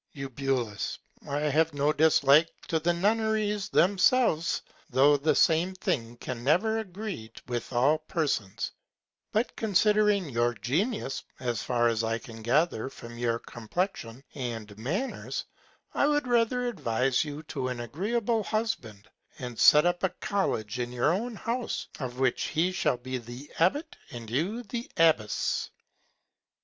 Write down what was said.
Eu. I have no Dislike to the Nunneries themselves, though the same Thing can never agree with all Persons: But considering your Genius, as far as I can gather from your Complexion and Manners, I should rather advise you to an agreeable Husband, and set up a College in your own House, of which he should be the Abbot and you the Abbess.